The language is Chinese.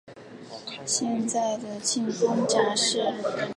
所以现在的庆丰闸是元朝的庆丰上闸。